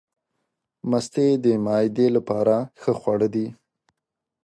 مستې د معدې لپاره ښه خواړه دي.